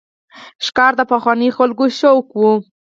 ښکار د پخوانیو خلکو شوق و.